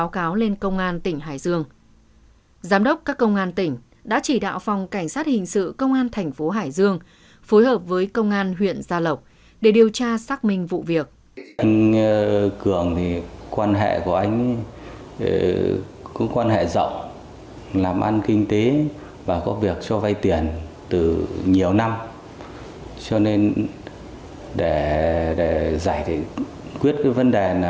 cơ quan điều tra công an tỉnh hải dương nhận thấy có nhiều dấu hiệu bị chui xóa tẩy rửa